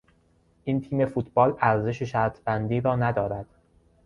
این تیم فوتبال ارزش شرطبندی را ندارد.